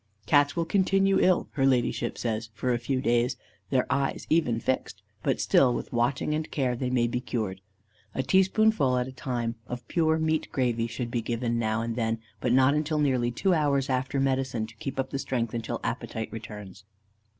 Cats will continue ill, her Ladyship says, for a few days, their eyes even fixed, but still with watching and care they may be cured. A teaspoonful at a time of pure meat gravy should be given now and then, but not until nearly two hours after medicine, to keep up the strength, until appetite returns.